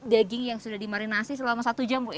daging yang sudah dimarinasi selama satu jam bu ya